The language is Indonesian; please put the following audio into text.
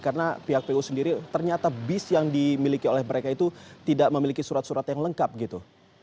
karena pihak po sendiri ternyata bis yang dimiliki oleh mereka itu tidak memiliki surat surat yang lengkap gitu